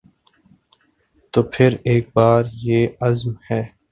تو پھر ایک بار یہ عزم ہے